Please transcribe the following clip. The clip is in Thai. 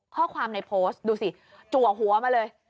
ข้อความในโพสต์ดูสิจัวหัวมาเลย